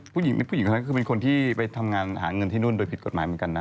ผู้หญิงผู้หญิงคนนั้นคือเป็นคนที่ไปทำงานหาเงินที่นู่นโดยผิดกฎหมายเหมือนกันนะ